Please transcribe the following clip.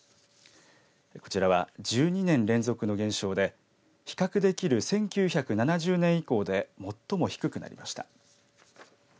こちらは１２年連続の減少で比較できる１９７０年以降で最も低くなりました。